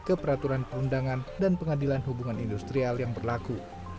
ke peraturan perundangan dan pengadilan hubungan industrial yang berlaku